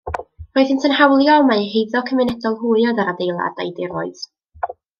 Roeddynt yn hawlio mae eu heiddo cymunedol hwy oedd yr adeilad a'i diroedd.